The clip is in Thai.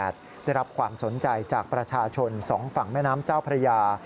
ได้รับความสนใจจากประชาชนสองฝั่งแม่น้ำเจ้าพระยา